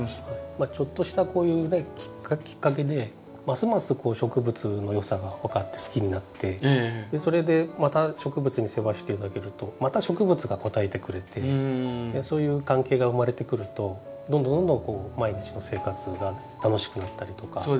ちょっとしたこういうねきっかけでますます植物の良さが分かって好きになってそれでまた植物の世話をして頂けるとまた植物が応えてくれてそういう関係が生まれてくるとどんどんどんどん毎日の生活が楽しくなったりとか。